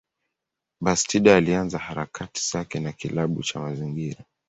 Bastida alianza harakati zake na kilabu cha mazingira.